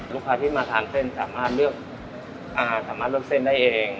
ลูกค้าที่มาทานเส้นสามารถเลือกสามารถเลือกเส้นได้เอง